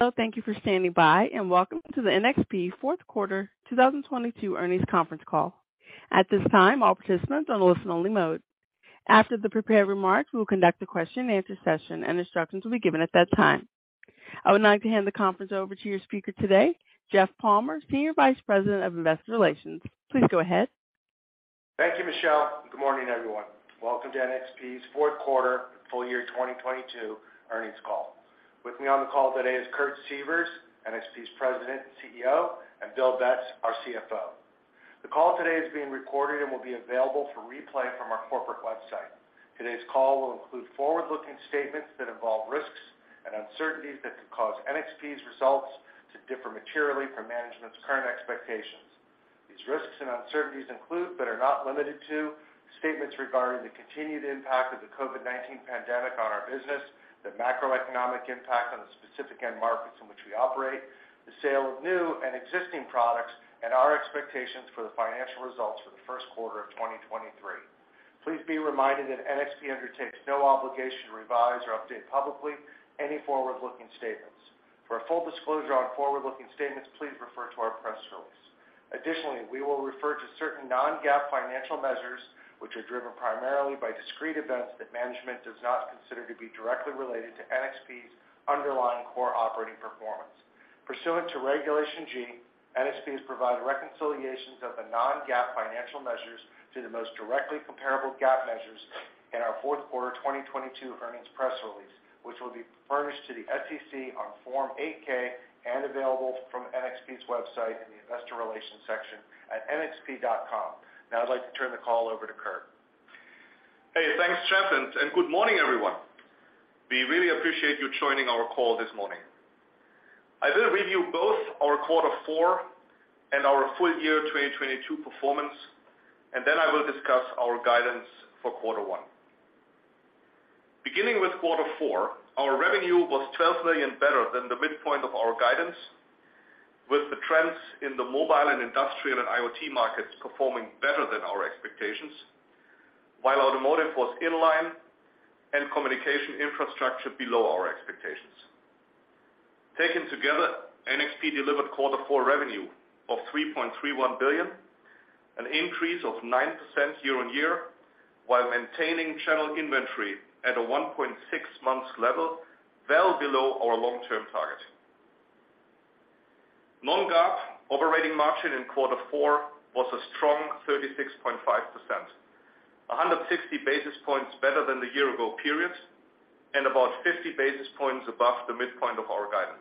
Hello. Thank you for standing by. Welcome to the NXP fourth quarter 2022 earnings conference call. At this time, all participants on listen only mode. After the prepared remarks, we will conduct a question-and-answer session. Instructions will be given at that time. I would like to hand the conference over to your speaker today, Jeff Palmer, Senior Vice President of Investor Relations. Please go ahead. Thank you, Michelle. Good morning, everyone. Welcome to NXP's fourth quarter full year 2022 earnings call. With me on the call today is Kurt Sievers, NXP's President and CEO, and Bill Betz, our CFO. The call today is being recorded and will be available for replay from our corporate website. Today's call will include forward-looking statements that involve risks and uncertainties that could cause NXP's results to differ materially from management's current expectations. These risks and uncertainties include, but are not limited to, statements regarding the continued impact of the COVID-19 pandemic on our business, the macroeconomic impact on the specific end markets in which we operate, the sale of new and existing products, and our expectations for the financial results for the first quarter of 2023. Please be reminded that NXP undertakes no obligation to revise or update publicly any forward-looking statements. For a full disclosure on forward-looking statements, please refer to our press release. Additionally, we will refer to certain non-GAAP financial measures which are driven primarily by discrete events that management does not consider to be directly related to NXP's underlying core operating performance. Pursuant to Regulation G, NXP has provided reconciliations of the non-GAAP financial measures to the most directly comparable GAAP measures in our fourth quarter 2022 earnings press release, which will be furnished to the SEC on Form 8-K and available from NXP's website in the investor relations section at nxp.com. I'd like to turn the call over to Kurt. Hey, thanks, Jeff. Good morning, everyone. We really appreciate you joining our call this morning. I will review both our quarter four and our full year 2022 performance. Then I will discuss our guidance for quarter one. Beginning with quarter four, our revenue was $12 million better than the midpoint of our guidance, with the trends in the mobile and industrial and IoT markets performing better than our expectations, while automotive was in line and communication infrastructure below our expectations. Taken together, NXP delivered quarter four revenue of $3.31 billion, an increase of 9% year-on-year, while maintaining channel inventory at a 1.6 months level, well below our long-term target. Non-GAAP operating margin in quarter four was a strong 36.5%, 160 basis points better than the year-ago period, and about 50 basis points above the midpoint of our guidance.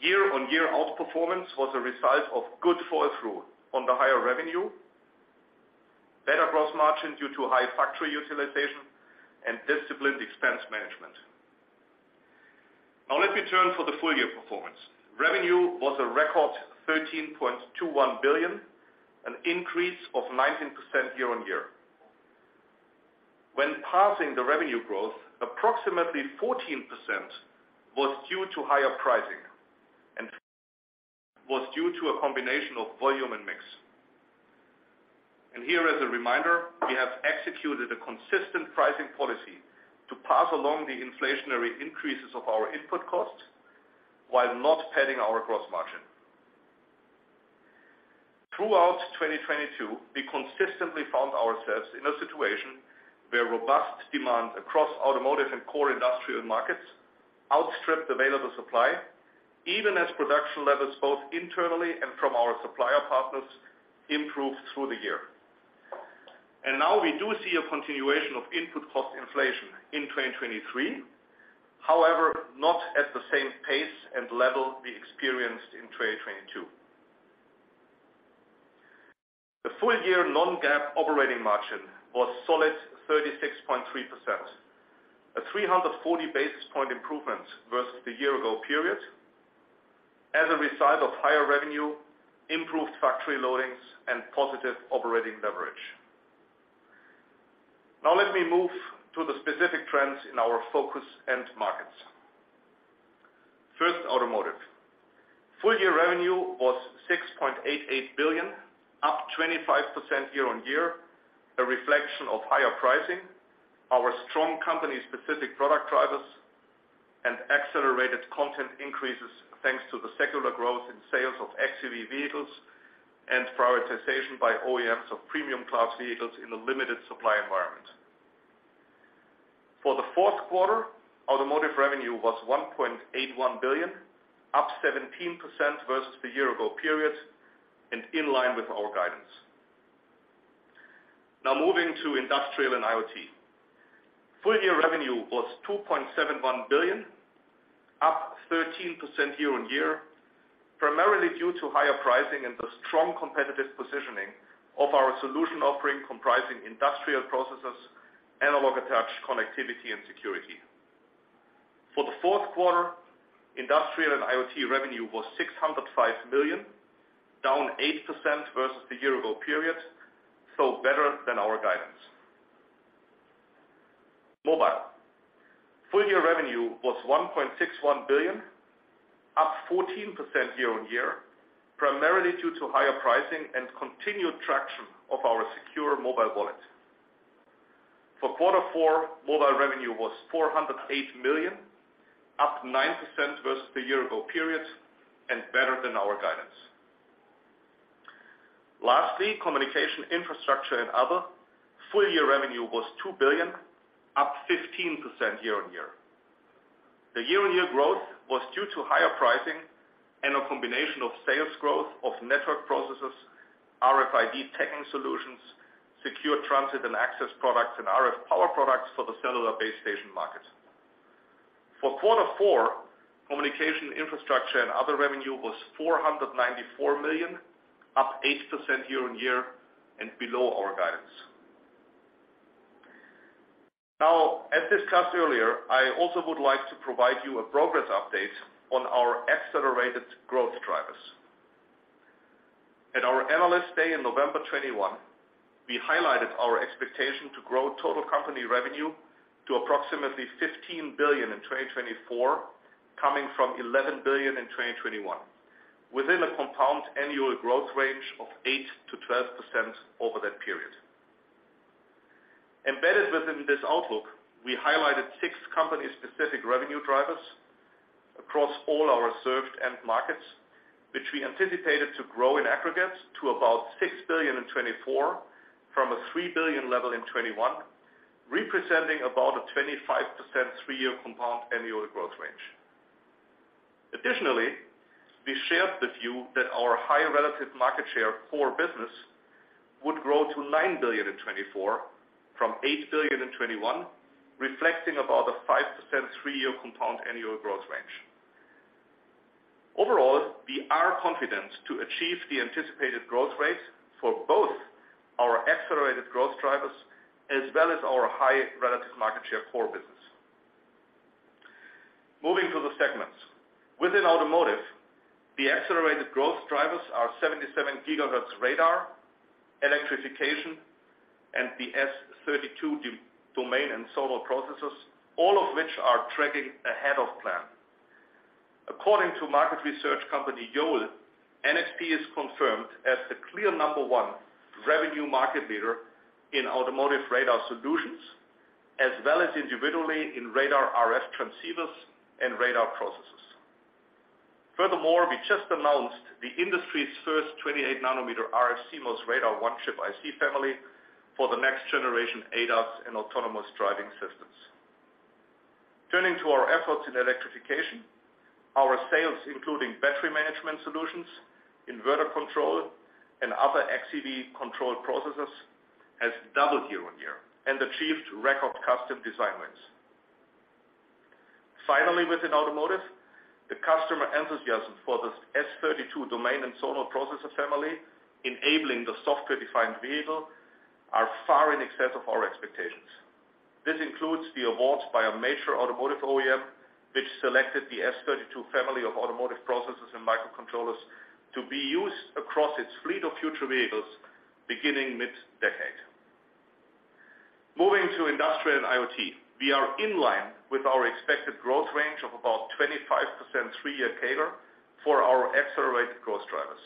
Year-on-year outperformance was a result of good fall through on the higher revenue, better gross margin due to high factory utilization, and disciplined expense management. Let me turn for the full year performance. Revenue was a record $13.21 billion, an increase of 19% year-on-year. When passing the revenue growth, approximately 14% was due to higher pricing and was due to a combination of volume and mix. Here as a reminder, we have executed a consistent pricing policy to pass along the inflationary increases of our input costs while not padding our gross margin. Throughout 2022, we consistently found ourselves in a situation where robust demand across automotive and core industrial markets outstripped available supply, even as production levels both internally and from our supplier partners improved through the year. Now we do see a continuation of input cost inflation in 2023, however, not at the same pace and level we experienced in 2022. The full year non-GAAP operating margin was solid 36.3%, a 340 basis point improvement versus the year-ago period as a result of higher revenue, improved factory loadings and positive operating leverage. Now let me move to the specific trends in our focus end markets. First, automotive. Full year revenue was $6.88 billion, up 25% year-on-year, a reflection of higher pricing, our strong company-specific product drivers and accelerated content increases, thanks to the secular growth in sales of XEV vehicles and prioritization by OEMs of premium class vehicles in a limited supply environment. For the fourth quarter, automotive revenue was $1.81 billion, up 17% versus the year ago period and in line with our guidance. Moving to industrial and IoT. Full year revenue was $2.71 billion, up 13% year-on-year, primarily due to higher pricing and the strong competitive positioning of our solution offering comprising industrial processes, analog attached connectivity and security. For the fourth quarter, industrial and IoT revenue was $605 million, down 8% versus the year ago period, better than our guidance. Mobile. Full year revenue was $1.61 billion, up 14% year-on-year, primarily due to higher pricing and continued traction of our secure mobile wallet. For quarter four, mobile revenue was $408 million, up 9% versus the year ago period, and better than our guidance. Lastly, communication infrastructure and other full year revenue was $2 billion, up 15% year-on-year. The year-on-year growth was due to higher pricing and a combination of sales growth of network processors, RFID tagging solutions, secure transit and access products, and RF power products for the cellular base station market. For quarter four, communication infrastructure and other revenue was $494 million, up 8% year-on-year and below our guidance. Now, as discussed earlier, I also would like to provide you a progress update on our accelerated growth drivers. At our Analyst Day in November 2021, we highlighted our expectation to grow total company revenue to approximately $15 billion in 2024, coming from $11 billion in 2021, within a compound annual growth range of 8%-12% over that period. Embedded within this outlook, we highlighted six company-specific revenue drivers across all our served end markets, which we anticipated to grow in aggregate to about $6 billion in 2024 from a $3 billion level in 2021, representing about a 25% three-year compound annual growth range. Additionally, we shared the view that our higher relative market share core business would grow to $9 billion in 2024 from $8 billion in 2021, reflecting about a 5% three-year compound annual growth range. Overall, we are confident to achieve the anticipated growth rates for both our accelerated growth drivers as well as our high relative market share core business. Moving to the segments. Within automotive, the accelerated growth drivers are 77 GHz radar, electrification, and the S32 domain and zonal processors, all of which are tracking ahead of plan. According to market research company, Yole, NXP is confirmed as the clear number one revenue market leader in automotive radar solutions, as well as individually in radar RF transceivers and radar processors. Furthermore, we just announced the industry's first 28 nm RF CMOS radar one chip IC family for the next generation ADAS and autonomous driving systems. Turning to our efforts in electrification, our sales, including battery management solutions, inverter control, and other XEV control processors, has doubled year-on-year and achieved record custom design wins. Finally, within automotive, the customer enthusiasm for the S32 domain and zonal processor family enabling the software-defined vehicle are far in excess of our expectations. This includes the awards by a major automotive OEM, which selected the S32 family of automotive processors and microcontrollers to be used across its fleet of future vehicles beginning mid-decade. Moving to industrial IoT, we are in line with our expected growth range of about 25% three-year CAGR for our accelerated growth drivers.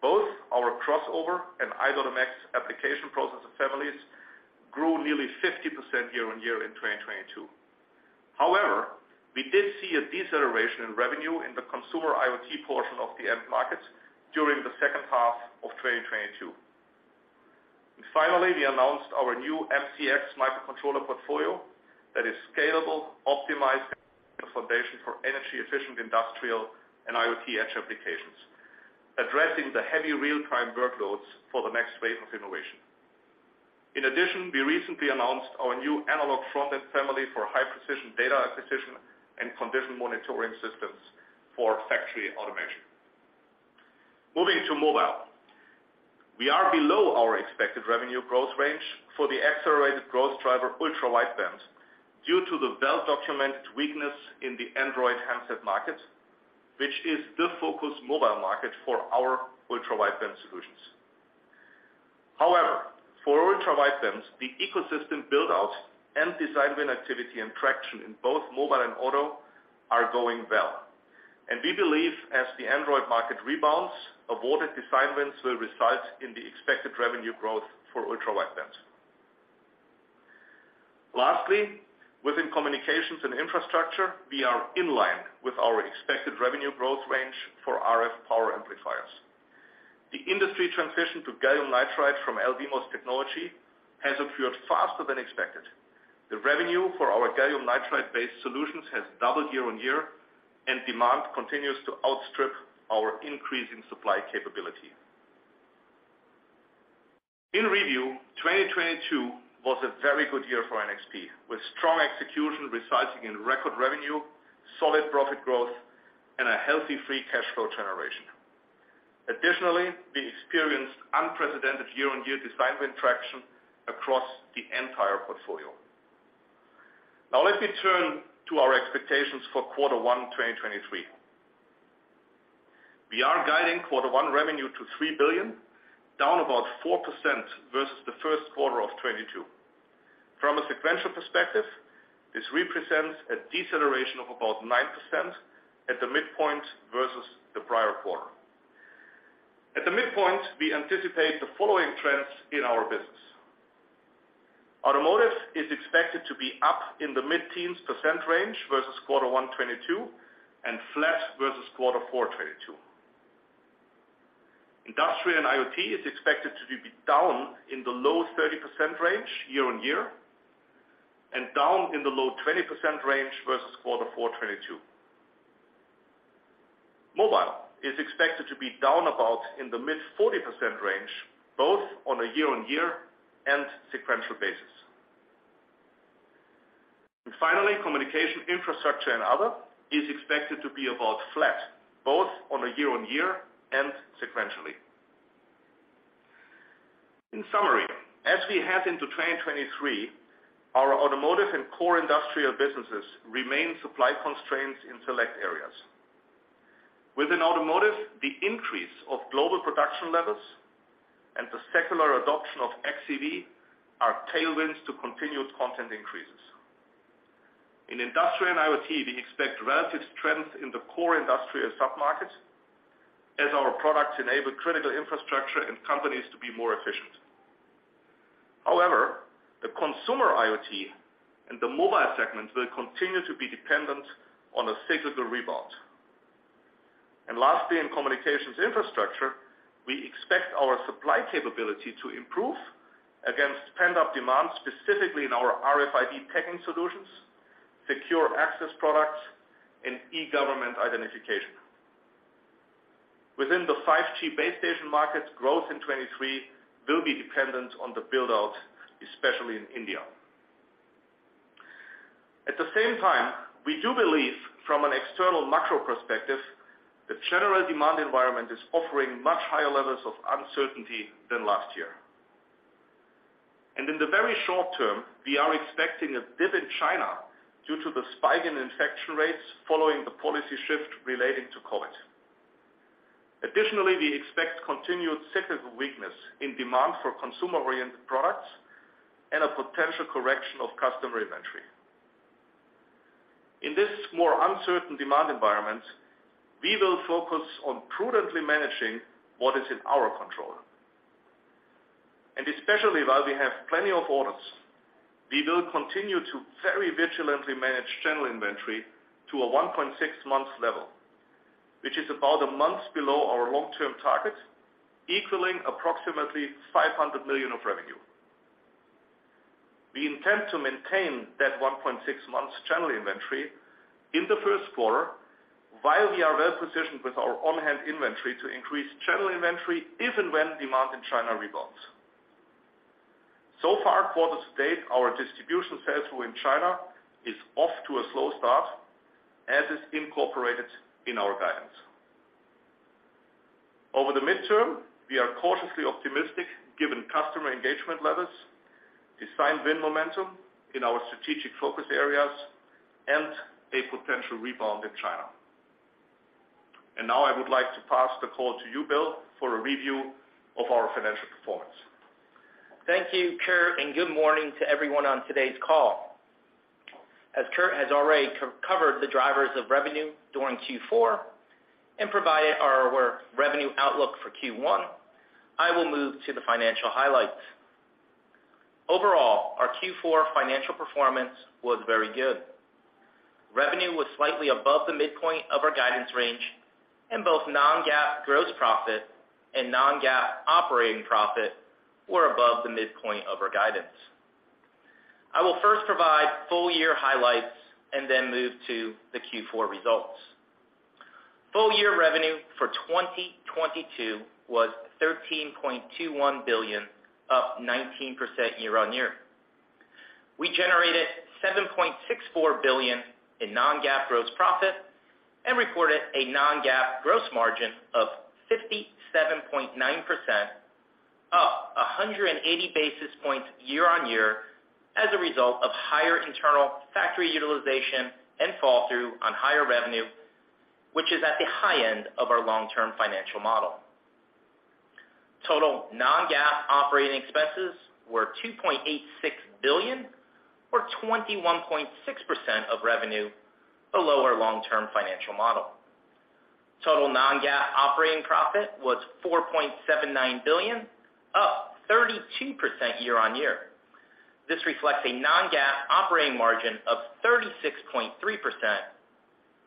Both our Crossover and i.MX application processor families grew nearly 50% year-on-year in 2022. We did see a deceleration in revenue in the consumer IoT portion of the end markets during the second half of 2022. Finally, we announced our new MCX microcontroller portfolio that is scalable, optimized foundation for energy-efficient industrial and IoT edge applications, addressing the heavy real-time workloads for the next wave of innovation. In addition, we recently announced our new analog front-end family for high-precision data acquisition and condition monitoring systems for factory automation. Moving to mobile. We are below our expected revenue growth range for the accelerated growth driver, ultra-wideband, due to the well-documented weakness in the Android handset market, which is the focus mobile market for our ultra-wideband solutions. However, for ultra-widebands, the ecosystem build-out and design win activity and traction in both mobile and auto are going well. We believe, as the Android market rebounds, awarded design wins will result in the expected revenue growth for ultra-wideband. Lastly, within communications and infrastructure, we are in line with our expected revenue growth range for RF power amplifiers. The industry transition to gallium nitride from LDMOS technology has occurred faster than expected. The revenue for our gallium nitride-based solutions has doubled year-on-year, and demand continues to outstrip our increasing supply capability. In review, 2022 was a very good year for NXP, with strong execution resulting in record revenue, solid profit growth, and a healthy free cash flow generation. Additionally, we experienced unprecedented year-on-year design win traction across the entire portfolio. Let me turn to our expectations for quarter one, 2023. We are guiding quarter one revenue to $3 billion, down about 4% versus the first quarter of 2022. From a sequential perspective, this represents a deceleration of about 9% at the midpoint versus the prior quarter. At this point, we anticipate the following trends in our business. Automotive is expected to be up in the mid-teens % range versus quarter one 2022, and flat versus quarter four 2022. Industrial and IoT is expected to be down in the low 30% range year-on-year, and down in the low 20% range versus quarter four 2022. Mobile is expected to be down about in the mid-40% range, both on a year-on-year and sequential basis. Finally, communication infrastructure and other is expected to be about flat, both on a year-on-year and sequentially. In summary, as we head into 2023, our automotive and core industrial businesses remain supply constraints in select areas. Within automotive, the increase of global production levels and the secular adoption of XEV are tailwinds to continued content increases. In industrial and IoT, we expect relative strength in the core industrial sub-markets as our products enable critical infrastructure and companies to be more efficient. However, the consumer IoT and the mobile segment will continue to be dependent on a cyclical rebound. Lastly, in communications infrastructure, we expect our supply capability to improve against pent-up demand, specifically in our RFID tagging solutions, secure access products, and e-government identification. Within the 5G base station markets, growth in 2023 will be dependent on the build-out, especially in India. At the same time, we do believe from an external macro perspective, the general demand environment is offering much higher levels of uncertainty than last year. In the very short term, we are expecting a dip in China due to the spike in infection rates following the policy shift relating to COVID. Additionally, we expect continued cyclical weakness in demand for consumer-oriented products and a potential correction of customer inventory. In this more uncertain demand environment, we will focus on prudently managing what is in our control. Especially while we have plenty of orders, we will continue to very vigilantly manage general inventory to a 1.6 months level, which is about a month below our long-term target, equaling approximately $500 million of revenue. We intend to maintain that 1.6 months general inventory in the first quarter, while we are well-positioned with our on-hand inventory to increase general inventory if and when demand in China rebounds. So far, quarter-to-date, our distribution sales flow in China is off to a slow start, as is incorporated in our guidance. Over the midterm, we are cautiously optimistic given customer engagement levels, design win momentum in our strategic focus areas, and a potential rebound in China. Now I would like to pass the call to you, Bill, for a review of our financial performance. Thank you, Kurt. Good morning to everyone on today's call. As Kurt has already co-covered the drivers of revenue during Q4 and provided our revenue outlook for Q1, I will move to the financial highlights. Overall, our Q4 financial performance was very good. Revenue was slightly above the midpoint of our guidance range, and both non-GAAP gross profit and non-GAAP operating profit were above the midpoint of our guidance. I will first provide full-year highlights and then move to the Q4 results. Full-year revenue for 2022 was $13.21 billion, up 19% year-on-year. We generated $7.64 billion in non-GAAP gross profit and reported a non-GAAP gross margin of 57.9%, up 180 basis points year-on-year as a result of higher internal factory utilization and fall through on higher revenue, which is at the high end of our long-term financial model. Total non-GAAP operating expenses were $2.86 billion or 21.6% of revenue, below our long-term financial model. Total non-GAAP operating profit was $4.79 billion, up 32% year-on-year. This reflects a non-GAAP operating margin of 36.3%,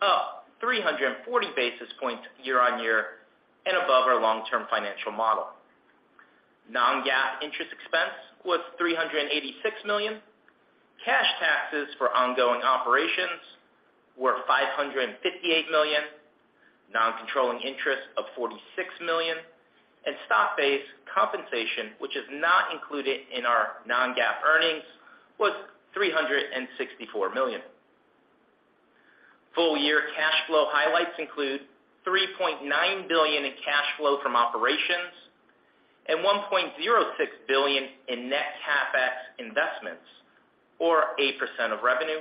up 340 basis points year-on-year and above our long-term financial model. Non-GAAP interest expense was $386 million. Cash taxes for ongoing operations were $558 million. Non-controlling interest of $46 million. Stock-based compensation, which is not included in our non-GAAP earnings, was $364 million. Full-year cash flow highlights include $3.9 billion in cash flow from operations and $1.06 billion in net CapEx investments, or 8% of revenue,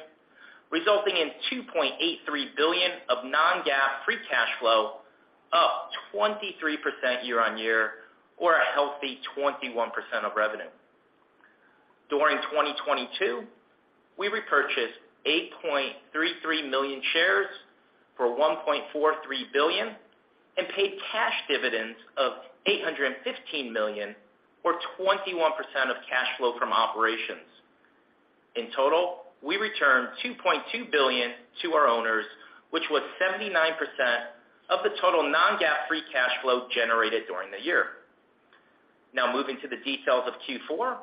resulting in $2.83 billion of non-GAAP free cash flow, up 23% year-on-year or a healthy 21% of revenue. During 2022, we repurchased 8.33 million shares for $1.43 billion and paid cash dividends of $815 million or 21% of cash flow from operations. In total, we returned $2.2 billion to our owners, which was 79% of the total non-GAAP free cash flow generated during the year. Moving to the details of Q4.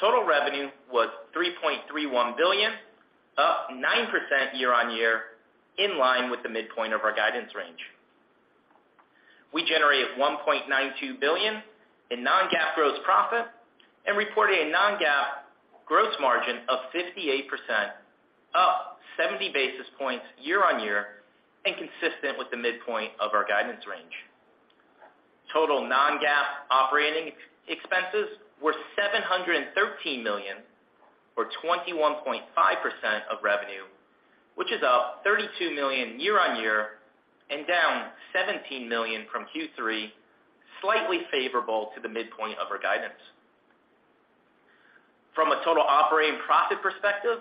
Total revenue was $3.31 billion, up 9% year-on-year, in line with the midpoint of our guidance range. We generated $1.92 billion in non-GAAP gross profit and reported a non-GAAP gross margin of 58%, up 70 basis points year-on-year and consistent with the midpoint of our guidance range. Total non-GAAP operating expenses were $713 million or 21.5% of revenue, which is up $32 million year-on-year and down $17 million from Q3, slightly favorable to the midpoint of our guidance. From a total operating profit perspective,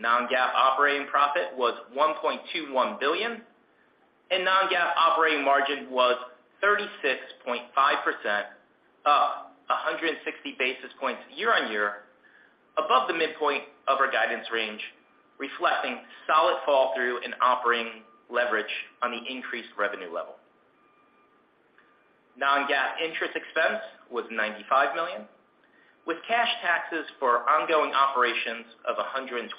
non-GAAP operating profit was $1.21 billion and non-GAAP operating margin was 36.5%, up 160 basis points year-on-year above the midpoint of our guidance range, reflecting solid fall through and operating leverage on the increased revenue level. Non-GAAP interest expense was $95 million, with cash taxes for ongoing operations of $126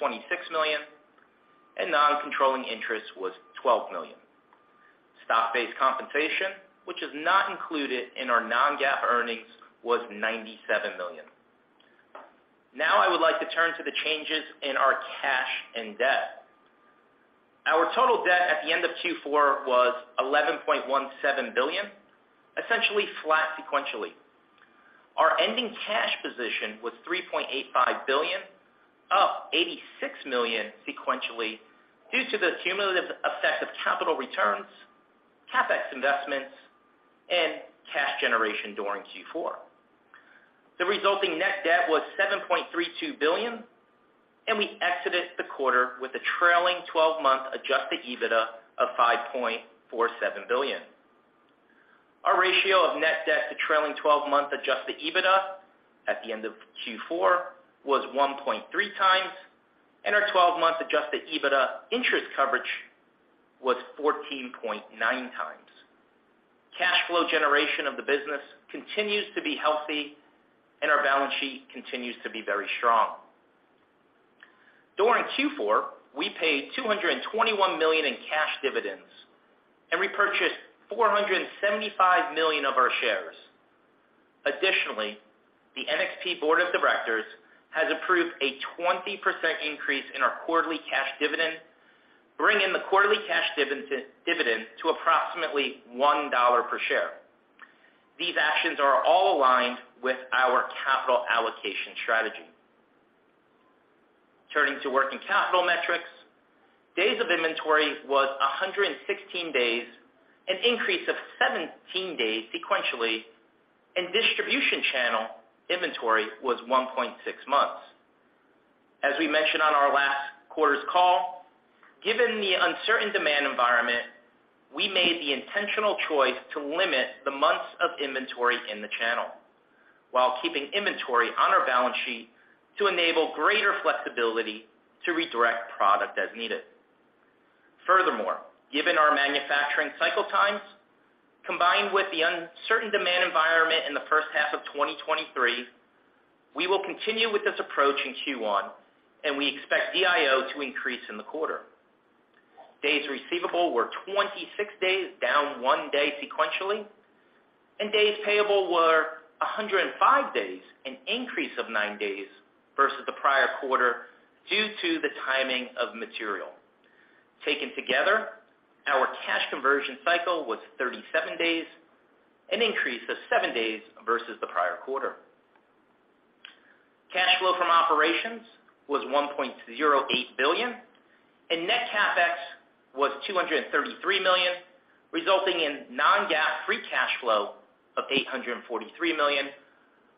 million and non-controlling interest was $12 million. Stock-based compensation, which is not included in our non-GAAP earnings, was $97 million. I would like to turn to the changes in our cash and debt. Our total debt at the end of Q4 was $11.17 billion, essentially flat sequentially. Our ending cash position was $3.85 billion, up $86 million sequentially, due to the cumulative effect of capital returns, CapEx investments and cash generation during Q4. The resulting net debt was $7.32 billion, and we exited the quarter with a trailing twelve-month adjusted EBITDA of $5.47 billion. Our ratio of net debt to trailing twelve-month adjusted EBITDA at the end of Q4 was 1.3x, and our 12-month adjusted EBITDA interest coverage was 14.9x. Cash flow generation of the business continues to be healthy and our balance sheet continues to be very strong. During Q4, we paid $221 million in cash dividends and repurchased $475 million of our shares. The NXP board of directors has approved a 20% increase in our quarterly cash dividend, bringing the quarterly cash dividend to approximately $1 per share. These actions are all aligned with our capital allocation strategy. Turning to working capital metrics. Days of inventory was 116 days, an increase of 17 days sequentially, and distribution channel inventory was 1.6 months. As we mentioned on our last quarter's call, given the uncertain demand environment, we made the intentional choice to limit the months of inventory in the channel while keeping inventory on our balance sheet to enable greater flexibility to redirect product as needed. Furthermore, given our manufacturing cycle times, combined with the uncertain demand environment in the first half of 2023, we will continue with this approach in Q1. We expect DIO to increase in the quarter. Days receivable were 26 days, down one day sequentially, and days payable were 105 days, an increase of nine days versus the prior quarter due to the timing of material. Taken together, our cash conversion cycle was 37 days, an increase of seven days versus the prior quarter. Cash flow from operations was $1.08 billion and net CapEx was $233 million, resulting in non-GAAP free cash flow of $843 million,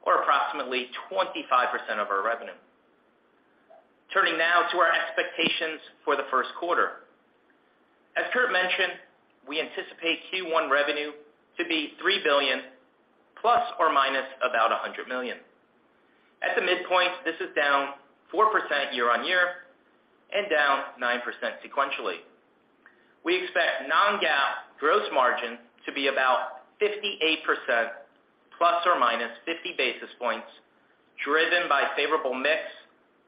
or approximately 25% of our revenue. Turning now to our expectations for the first quarter. As Kurt mentioned, we anticipate Q1 revenue to be $3 billion ±$100 million. At the midpoint, this is down 4% year-on-year and down 9% sequentially. We expect non-GAAP gross margin to be about 58% ±50 basis points, driven by favorable mix,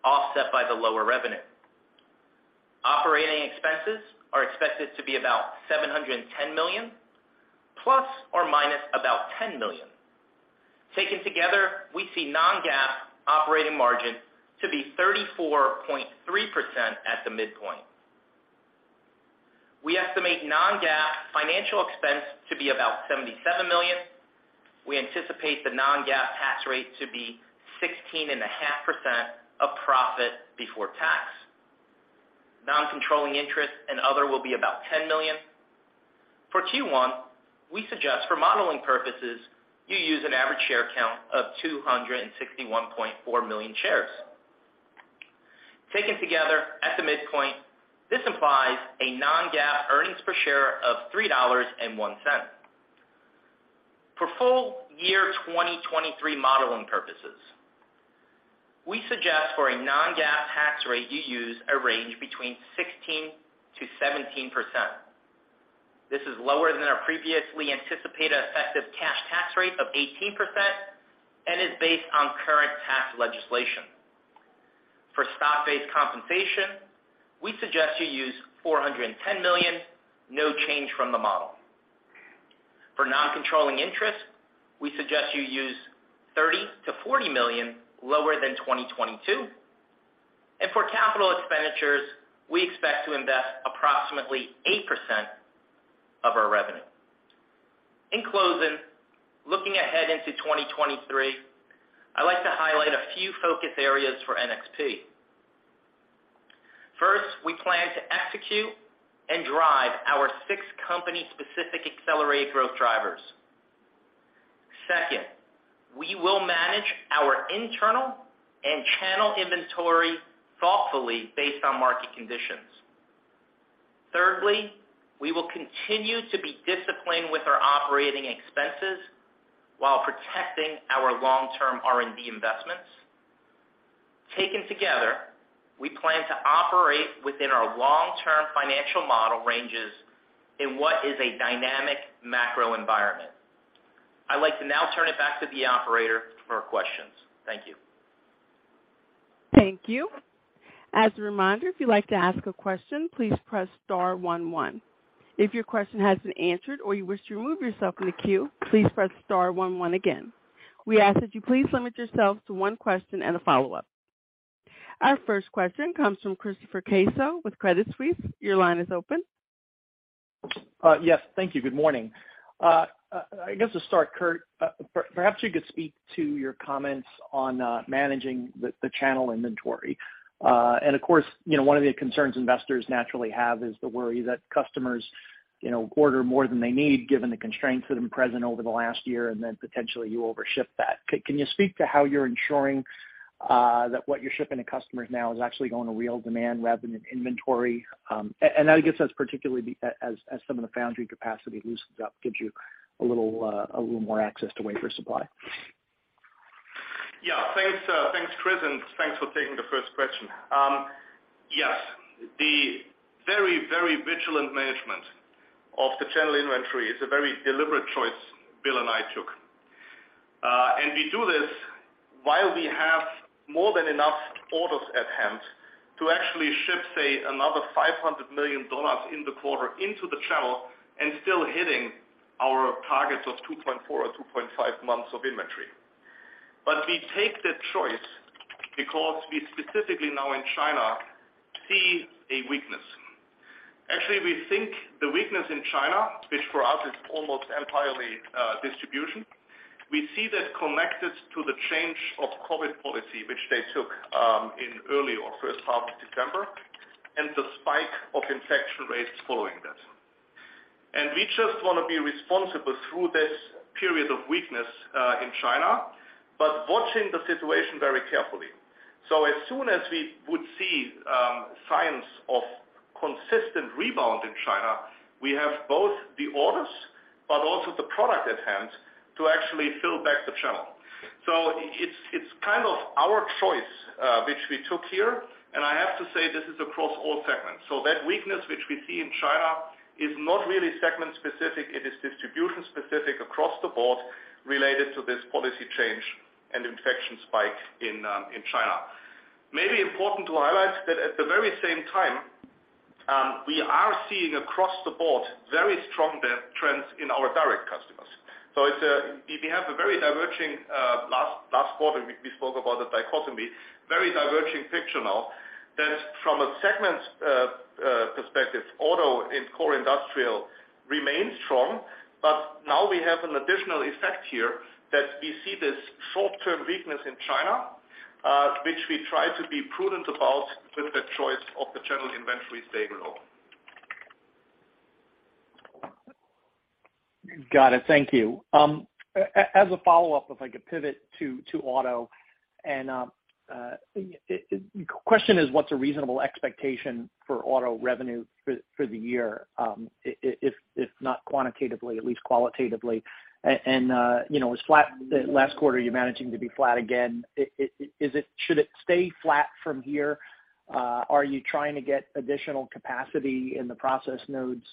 offset by the lower revenue. Operating expenses are expected to be about $710 million, ±$10 million. Taken together, we see non-GAAP operating margin to be 34.3% at the midpoint. We estimate non-GAAP financial expense to be about $77 million. We anticipate the non-GAAP tax rate to be 16.5% of profit before tax. Non-controlling interest and other will be about $10 million. For Q1, we suggest for modeling purposes, you use an average share count of 261.4 million shares. Taken together at the midpoint, this implies a non-GAAP earnings per share of $3.01. For full year 2023 modeling purposes, we suggest for a non-GAAP tax rate, you use a range between 16%-17%. This is lower than our previously anticipated effective cash tax rate of 18% and is based on current tax legislation. For stock-based compensation, we suggest you use $410 million, no change from the model. For non-controlling interest, we suggest you use $30 million-$40 million lower than 2022. For capital expenditures, we expect to invest approximately 8% of our revenue. In closing, looking ahead into 2023, I'd like to highlight a few focus areas for NXP. First, we plan to execute and drive our six company specific accelerated growth drivers. Second, we will manage our internal and channel inventory thoughtfully based on market conditions. Thirdly, we will continue to be disciplined with our operating expenses while protecting our long-term R&D investments. Taken together, we plan to operate within our long-term financial model ranges in what is a dynamic macro environment. I'd like to now turn it back to the operator for questions. Thank you. Thank you. As a reminder, if you'd like to ask a question, please press star one one. If your question has been answered or you wish to remove yourself from the queue, please press star one one again. We ask that you please limit yourselves to one question and a follow-up. Our first question comes from Chris Caso with Credit Suisse. Your line is open. Yes, thank you. Good morning. I guess to start, Kurt, perhaps you could speak to your comments on managing the channel inventory. Of course, you know, one of the concerns investors naturally have is the worry that customers, you know, order more than they need, given the constraints that have been present over the last year, and then potentially you over ship that. Can you speak to how you're ensuring that what you're shipping to customers now is actually going to real demand rather than inventory? I guess that's particularly as some of the foundry capacity loosens up, gives you a little, a little more access to wafer supply. Thanks, thanks, Chris, and thanks for taking the first question. Yes. The very, very vigilant management of the channel inventory is a very deliberate choice Bill and I took. We do this while we have more than enough orders at hand to actually ship, say, another $500 million in the quarter into the channel and still hitting our targets of 2.4 or 2.5 months of inventory. We take that choice because we specifically now in China see a weakness. We think the weakness in China, which for us is almost entirely distribution, we see that connected to the change of COVID policy, which they took in early or first half of December, and the spike of infection rates following that. We just wanna be responsible through this period of weakness in China, but watching the situation very carefully. As soon as we would see signs of consistent rebound in China, we have both the orders, but also the product at hand to actually fill back the channel. It's kind of our choice which we took here, and I have to say this is across all segments. That weakness which we see in China is not really segment specific, it is distribution specific across the board related to this policy change and infection spike in China. Maybe important to highlight that at the very same time, we are seeing across the board very strong trends in our direct customers. It's, we have a very diverging last quarter, we spoke about the dichotomy, very diverging picture now that from a segment's perspective, auto and core industrial remain strong. Now we have an additional effect here that we see this short-term weakness in China, which we try to be prudent about with the choice of the channel inventory staying low. Got it. Thank you. As a follow-up, if I could pivot to auto and the question is what's a reasonable expectation for auto revenue for the year, if not quantitatively, at least qualitatively? You know, it was flat last quarter, you're managing to be flat again. Should it stay flat from here? Are you trying to get additional capacity in the process nodes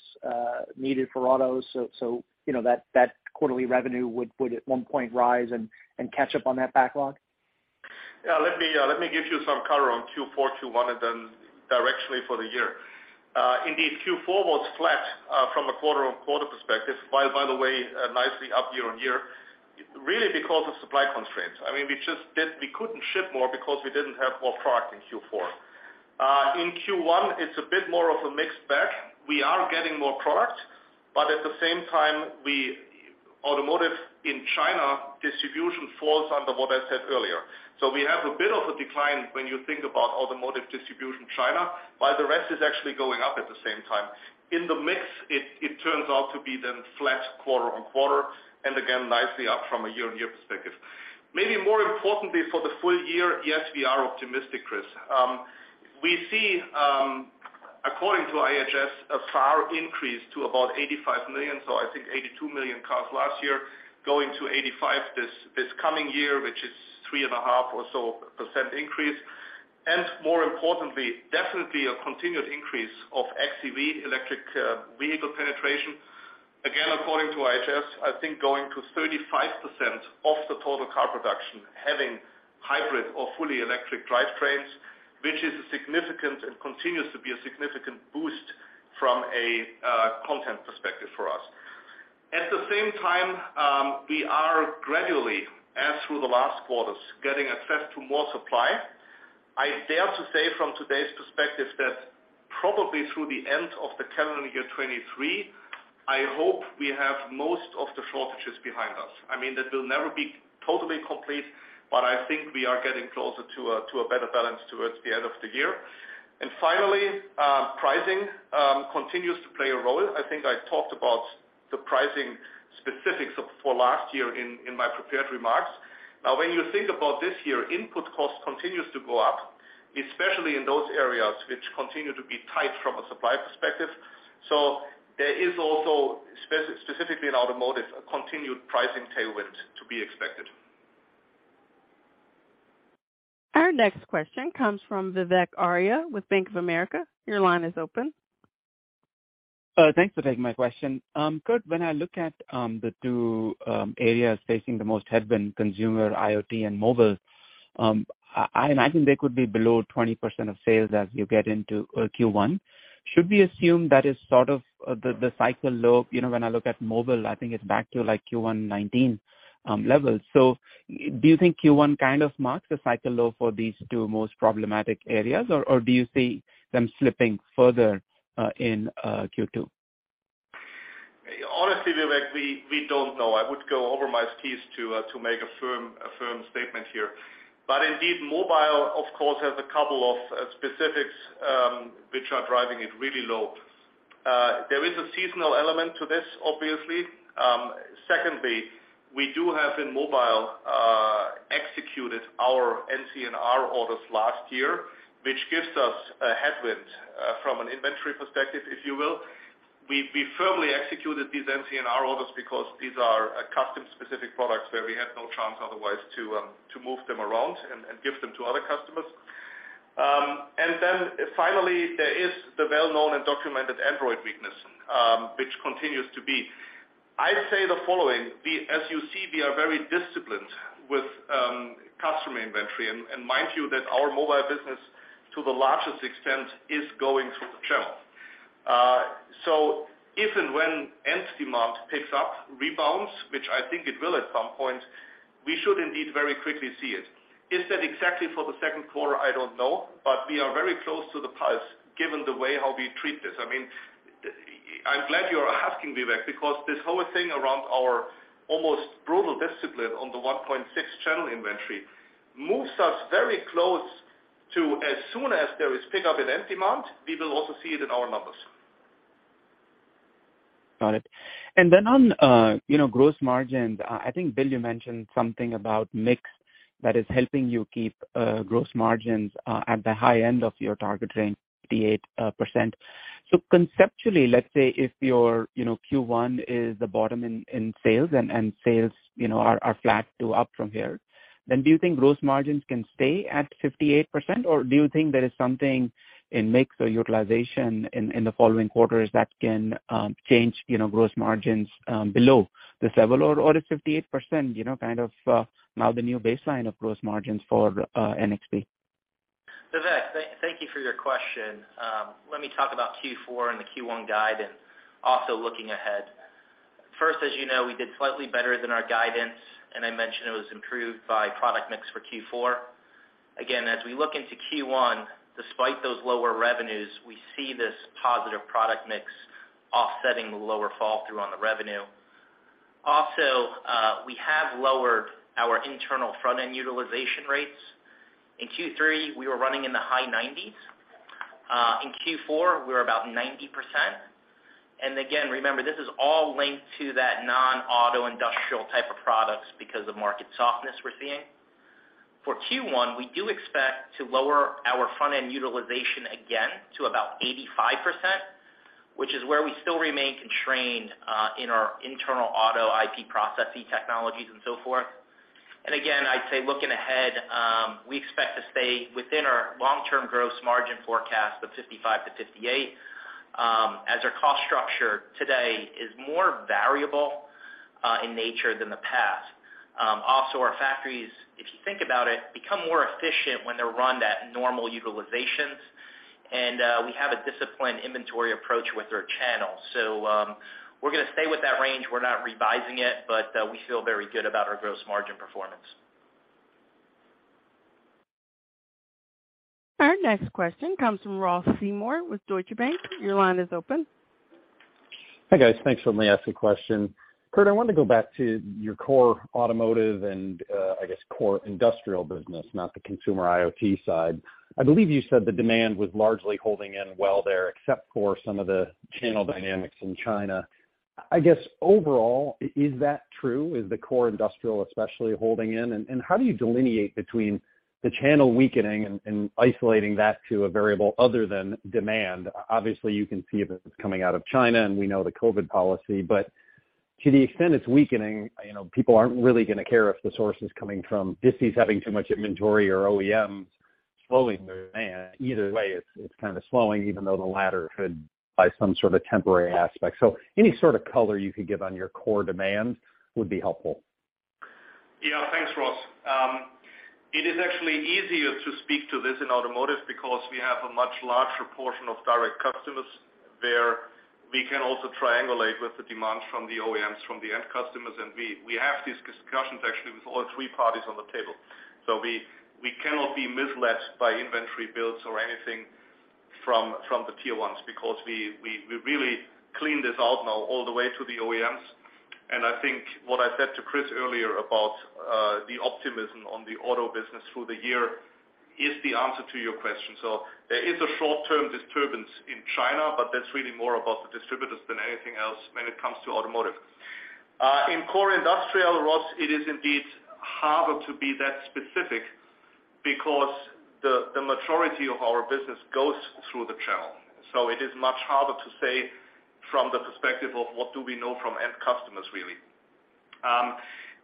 needed for autos so, you know, that quarterly revenue would at one point rise and catch up on that backlog? Let me give you some color on Q4, Q1, and directionally for the year. Indeed, Q4 was flat from a quarter-on-quarter perspective, by the way, nicely up year-on-year, really because of supply constraints. I mean, we couldn't ship more because we didn't have more product in Q4. In Q1, it's a bit more of a mixed bag. We are getting more product. At the same time, Automotive in China distribution falls under what I said earlier. We have a bit of a decline when you think about Automotive distribution China, while the rest is actually going up at the same time. In the mix, it turns out to be flat quarter-on-quarter, again, nicely up from a year-on-year perspective. Maybe more importantly for the full year, yes, we are optimistic, Chris. We see, according to IHS, a far increase to about 85 million, so I think 82 million cars last year, going to 85 this coming year, which is 3.5% or so increase. More importantly, definitely a continued increase of XEV electric vehicle penetration. Again, according to IHS, I think going to 35% of the total car production having hybrid or fully electric drivetrains, which is a significant and continues to be a significant boost from a content perspective for us. At the same time, we are gradually, as through the last quarters, getting access to more supply. I dare to say from today's perspective that probably through the end of the calendar year 2023, I hope we have most of the shortages behind us. I mean, that will never be totally complete, but I think we are getting closer to a, to a better balance towards the end of the year. Finally, pricing continues to play a role. I think I talked about the pricing specifics for last year in my prepared remarks. When you think about this year, input cost continues to go up, especially in those areas which continue to be tight from a supply perspective. There is also spec-specifically in automotive, a continued pricing tailwind to be expected. Our next question comes from Vivek Arya with Bank of America. Your line is open. Thanks for taking my question. Kurt, when I look at the two areas facing the most headwind, consumer, IoT and mobile, I imagine they could be below 20% of sales as you get into Q1. Should we assume that is sort of the cycle low? You know, when I look at mobile, I think it's back to like Q1 2019 levels. Do you think Q1 kind of marks the cycle low for these two most problematic areas, or do you see them slipping further in Q2? Honestly, Vivek, we don't know. I would go over my skis to make a firm statement here. Indeed, mobile, of course, has a couple of specifics which are driving it really low. There is a seasonal element to this, obviously. Secondly, we do have in mobile executed our NCNR orders last year, which gives us a headwind from an inventory perspective, if you will. We firmly executed these NCNR orders because these are custom specific products where we had no chance otherwise to move them around and give them to other customers. Then finally, there is the well-known and documented Android weakness which continues to be. I'd say the following. As you see, we are very disciplined with customer inventory. Mind you that our mobile business, to the largest extent, is going through the channel. If and when end demand picks up, rebounds, which I think it will at some point, we should indeed very quickly see it. Is that exactly for the second quarter? I don't know, but we are very close to the pulse given the way how we treat this. I'm glad you're asking, Vivek, because this whole thing around our almost brutal discipline on the 1.6 channel inventory moves us very close to as soon as there is pickup in end demand, we will also see it in our numbers. Got it. Then on, you know, gross margin, I think, Bill, you mentioned something about mix that is helping you keep gross margins at the high end of your target range, 58%. Conceptually, let's say if your, you know, Q1 is the bottom in sales and sales, you know, are flat to up from here, then do you think gross margins can stay at 58%, or do you think there is something in mix or utilization in the following quarters that can change, you know, gross margins below this level, or is 58%, you know, kind of now the new baseline of gross margins for NXP? Vivek, thank you for your question. Let me talk about Q4 and the Q1 guide and also looking ahead. First, as you know, we did slightly better than our guidance, and I mentioned it was improved by product mix for Q4. Again, as we look into Q1, despite those lower revenues, we see this positive product mix offsetting the lower fall through on the revenue. Also, we have lowered our internal front-end utilization rates. In Q3, we were running in the high 90s. In Q4, we were about 90%. Again, remember, this is all linked to that non-auto industrial type of products because of market softness we're seeing. For Q1, we do expect to lower our front-end utilization again to about 85%, which is where we still remain constrained in our internal auto IP processing technologies and so forth. Again, I'd say looking ahead, we expect to stay within our long-term gross margin forecast of 55%-58%, as our cost structure today is more variable in nature than the past. Also our factories, if you think about it, become more efficient when they're run at normal utilizations, and we have a disciplined inventory approach with our channels. We're gonna stay with that range. We're not revising it, but we feel very good about our gross margin performance. Our next question comes from Ross Seymore with Deutsche Bank. Your line is open. Hi, guys. Thanks. Let me ask a question. Kurt, I wanted to go back to your core automotive and, I guess, core industrial business, not the consumer IoT side. I believe you said the demand was largely holding in well there, except for some of the channel dynamics in China. I guess, overall, is that true? Is the core industrial especially holding in? How do you delineate between the channel weakening and isolating that to a variable other than demand? Obviously, you can see that it's coming out of China, and we know the COVID policy. To the extent it's weakening, you know, people aren't really gonna care if the source is coming from disties having too much inventory or OEMs slowing demand. Either way, it's kinda slowing, even though the latter could by some sort of temporary aspect. Any sort of color you could give on your core demand would be helpful. Yeah. Thanks, Ross. It is actually easier to speak to this in automotive because we have a much larger portion of direct customers where we can also triangulate with the demands from the OEMs, from the end customers, and we have these discussions actually with all three parties on the table. We cannot be misled by inventory builds or anything from the tier ones because we really clean this out now all the way to the OEMs. I think what I said to Chris earlier about the optimism on the auto business through the year is the answer to your question. There is a short-term disturbance in China, but that's really more about the distributors than anything else when it comes to automotive. In core industrial, Ross, it is indeed harder to be that specific because the majority of our business goes through the channel. It is much harder to say from the perspective of what do we know from end customers, really.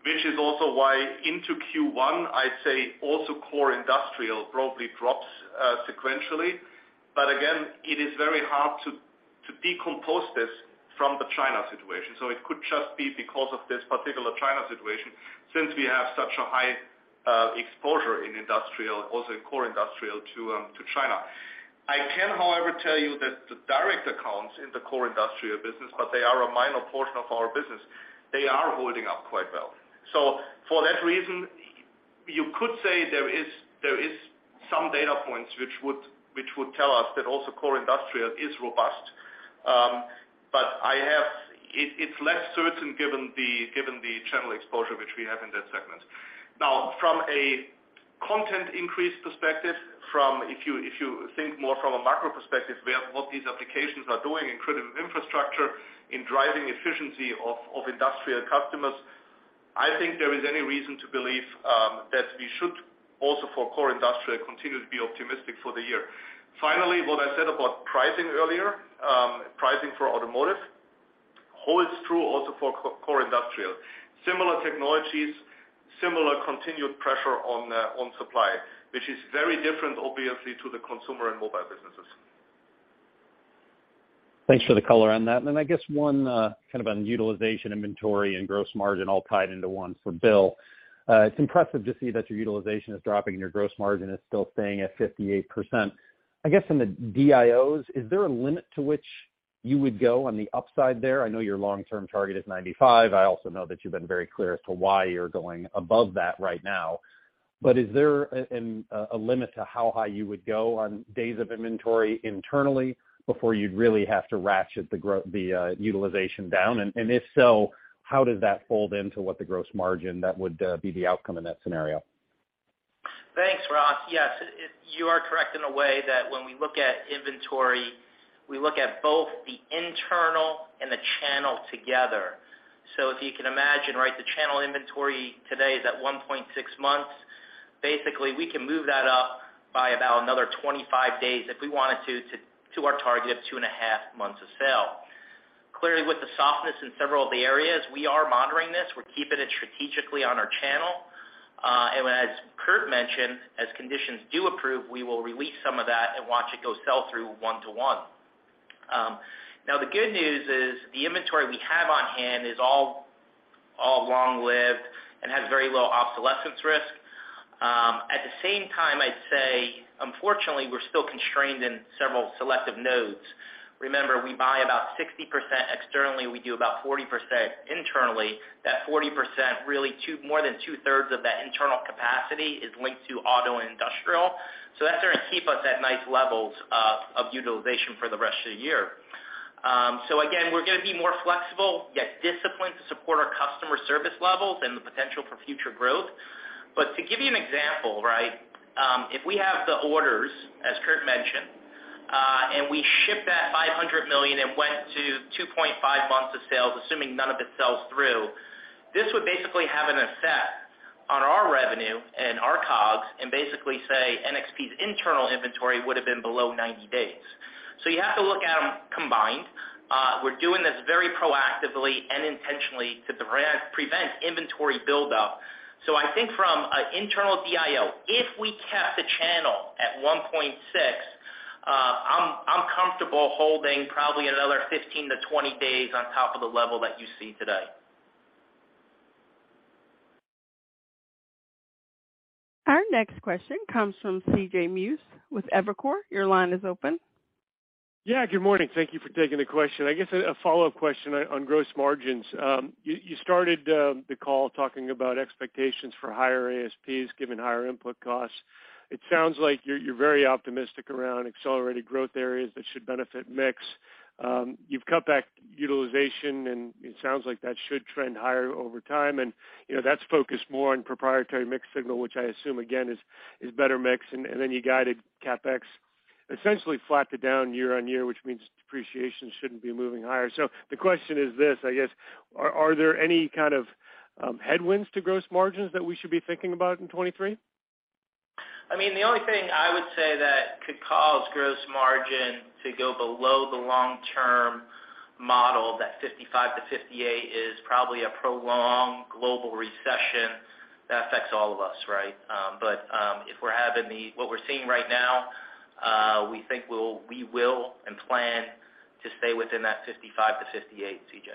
Which is also why into Q1, I'd say also core industrial probably drops sequentially. Again, it is very hard to decompose this from the China situation. It could just be because of this particular China situation since we have such a high exposure in industrial, also core industrial to China. I can, however, tell you that the direct accounts in the core industrial business, but they are a minor portion of our business, they are holding up quite well. For that reason, you could say there is some data points which would tell us that also core industrial is robust. It's less certain given the channel exposure which we have in that segment. Now, from a content increase perspective, from if you think more from a macro perspective, we have what these applications are doing in critical infrastructure, in driving efficiency of industrial customers, I think there is any reason to believe that we should also for core industrial continue to be optimistic for the year. Finally, what I said about pricing earlier, pricing for automotive holds true also for core industrial. Similar technologies, similar continued pressure on supply, which is very different, obviously, to the consumer and mobile businesses. Thanks for the color on that. I guess one kind of on utilization inventory and gross margin all tied into one for Bill. It's impressive to see that your utilization is dropping and your gross margin is still staying at 58%. I guess in the DIOs, is there a limit to which you would go on the upside there? I know your long-term target is 95. I also know that you've been very clear as to why you're going above that right now. Is there a limit to how high you would go on days of inventory internally before you'd really have to ratchet the utilization down? If so, how does that fold into what the gross margin that would be the outcome in that scenario? Thanks, Ross. Yes, you are correct in a way that when we look at inventory, we look at both the internal and the channel together. If you can imagine, right, the channel inventory today is at 1.6 months. Basically, we can move that up by about another 25 days if we wanted to our target of 2.5 months of sale. Clearly, with the softness in several of the areas, we are monitoring this. We're keeping it strategically on our channel. As Kurt mentioned, as conditions do improve, we will release some of that and watch it go sell through one to one. The good news is the inventory we have on hand is all long-lived and has very low obsolescence risk. At the same time, I'd say, unfortunately, we're still constrained in several selective nodes. Remember, we buy about 60% externally. We do about 40% internally. That 40%, really more than two-thirds of that internal capacity is linked to auto and industrial. That's gonna keep us at nice levels of utilization for the rest of the year. Again, we're gonna be more flexible, yet disciplined to support our customer service levels and the potential for future growth. To give you an example, right, if we have the orders, as Kurt mentioned, and we ship that $500 million and went to 2.5 months of sales, assuming none of it sells through, this would basically have an effect on our revenue and our COGS and basically say NXP's internal inventory would have been below 90 days. You have to look at them combined. We're doing this very proactively and intentionally to prevent inventory buildup. I think from an internal DIO, if we kept the channel at 1.6, I'm comfortable holding probably another 15-20 days on top of the level that you see today. Our next question comes from C.J. Muse with Evercore. Your line is open Good morning. Thank you for taking the question. I guess a follow-up question on gross margins. You started the call talking about expectations for higher ASPs given higher input costs. It sounds like you're very optimistic around accelerated growth areas that should benefit mix. You've cut back utilization, it sounds like that should trend higher over time. You know, that's focused more on proprietary mix signal, which I assume again is better mix. Then you guided CapEx essentially flat to down year-on-year, which means depreciation shouldn't be moving higher. The question is this, I guess: Are there any kind of headwinds to gross margins that we should be thinking about in 2023? I mean, the only thing I would say that could cause gross margin to go below the long-term model, that 55%-58%, is probably a prolonged global recession that affects all of us, right? If we're having what we're seeing right now, we think we will and plan to stay within that 55%-58%, C.J..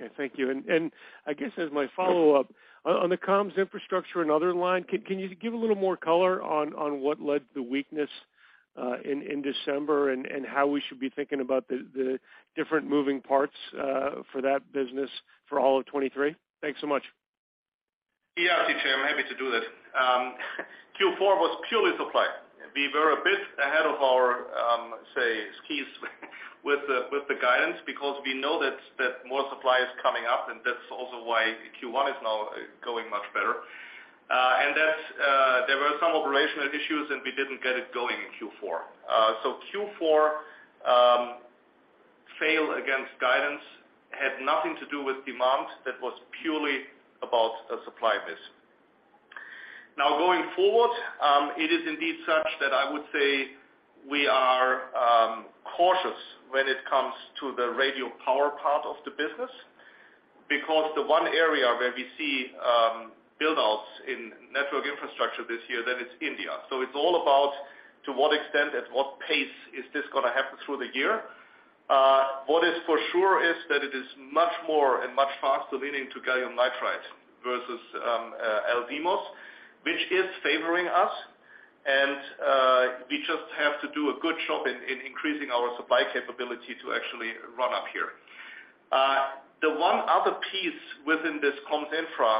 Okay. Thank you. I guess as my follow-up, on the comms infrastructure and other line, can you give a little more color on what led to the weakness in December and how we should be thinking about the different moving parts for that business for all of 2023? Thanks so much. Yeah, C.J., I'm happy to do that. Q4 was purely supply. We were a bit ahead of our, say, skis with the guidance because we know that more supply is coming up, and that's also why Q1 is now going much better. That's, there were some operational issues, and we didn't get it going in Q4. Q4, fail against guidance had nothing to do with demand. That was purely about a supply miss. Now, going forward, it is indeed such that I would say we are cautious when it comes to the radio power part of the business because the one area where we see build-outs in network infrastructure this year, that is India. It's all about to what extent, at what pace is this gonna happen through the year. What is for sure is that it is much more and much faster leaning to gallium nitride versus LDMOS, which is favoring us. We just have to do a good job in increasing our supply capability to actually run up here. The one other piece within this comms infra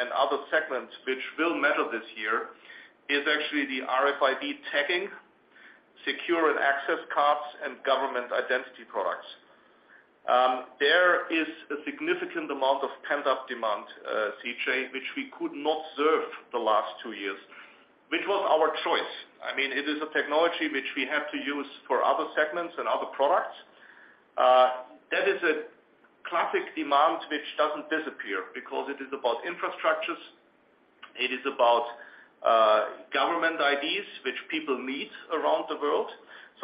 and other segments which will matter this year is actually the RFID tagging, secure and access cards, and government identity products. There is a significant amount of pent-up demand, CJ, which we could not serve the last two years, which was our choice. I mean, it is a technology which we have to use for other segments and other products. That is a classic demand which doesn't disappear because it is about infrastructures. It is about government IDs which people need around the world.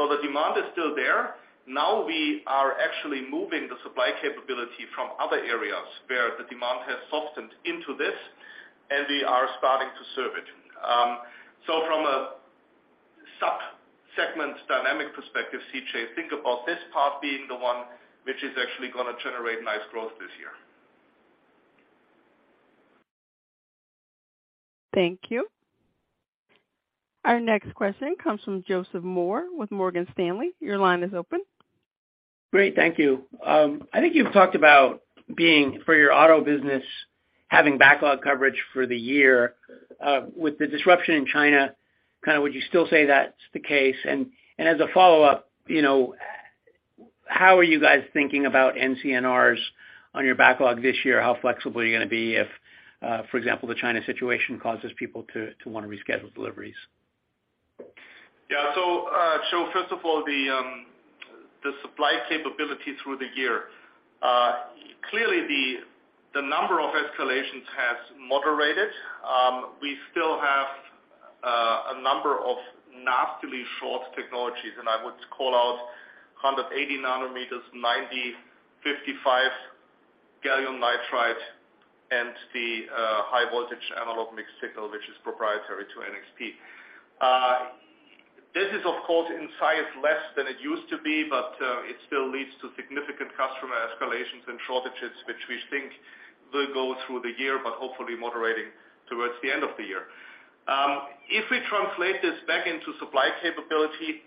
The demand is still there. Now we are actually moving the supply capability from other areas where the demand has softened into this, and we are starting to serve it. From a sub-segment dynamic perspective, C.J., think about this part being the one which is actually gonna generate nice growth this year. Thank you. Our next question comes from Joseph Moore with Morgan Stanley. Your line is open. Great. Thank you. I think you've talked about being, for your auto business, having backlog coverage for the year. With the disruption in China, kind of would you still say that's the case? As a follow-up, you know, how are you guys thinking about NCNRs on your backlog this year? How flexible are you going to be if, for example, the China situation causes people to want to reschedule deliveries? Yeah. First of all, the supply capability through the year. Clearly the number of escalations has moderated. We still have a number of nastily short technologies, and I would call out 180 nm, 90, 55, gallium nitride, and the high voltage analog mixed signal, which is proprietary to NXP. This is, of course, in size less than it used to be, but it still leads to significant customer escalations and shortages, which we think will go through the year, but hopefully moderating towards the end of the year. If we translate this back into supply capability,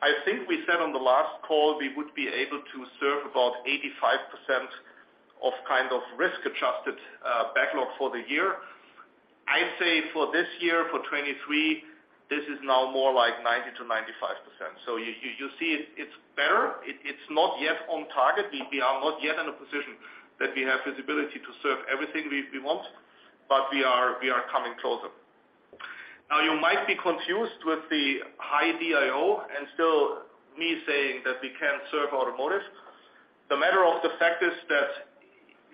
I think we said on the last call we would be able to serve about 85% of kind of risk-adjusted backlog for the year. I'd say for this year, for 2023, this is now more like 90%-95%. You see it's better. It's not yet on target. We are not yet in a position that we have visibility to serve everything we want, but we are coming closer. You might be confused with the high DIO and still me saying that we can't serve automotive. The matter of the fact is that